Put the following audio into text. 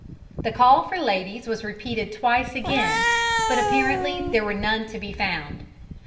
The call for ladies was repeated twice again, but apparently there were none to be found.